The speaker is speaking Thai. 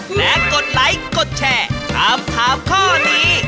และกดไลค์กดแชร์ถามถามข้อนี้